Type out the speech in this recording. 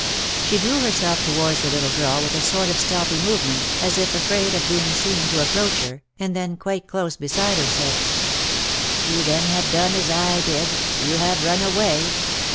She drew herself towards the little girl with a sort of stealthy movement, as if afraid of being seen to approach her, and when quite close beside her, said, " You then have done as I did— you have run away